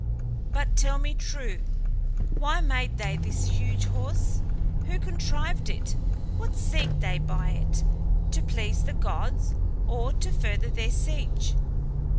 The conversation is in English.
But tell me true: why made they this huge horse? Who contrived it? What seek they by it to please the gods or to further their siege?"